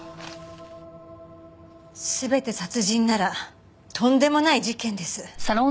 全て殺人ならとんでもない事件です。